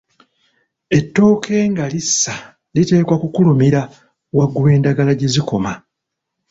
Ettooke nga lissa liteekwa kukulumira waggulu endagala gye zikoma.